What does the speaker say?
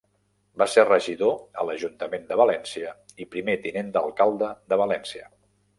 Va ser regidor a l'Ajuntament de València i Primer Tinent d'Alcalde de València.